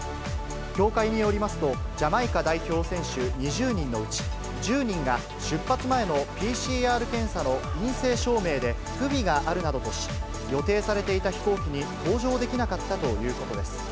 協会によりますと、ジャマイカ代表選手２０人のうち、１０人が出発前のＰＣＲ検査の陰性証明で不備があるなどとし、予定されていた飛行機に搭乗できなかったということです。